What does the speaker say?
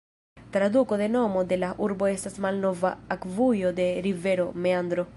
Traduko de nomo de la urbo estas "malnova akvujo de rivero, meandro".